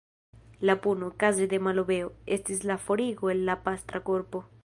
La puno, kaze de malobeo, estis la forigo el la pastra korpo.